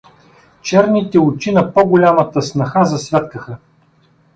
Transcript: Черните очи на по-голямата снаха засвяткаха.